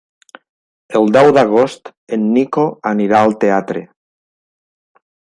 El deu d'agost en Nico anirà al teatre.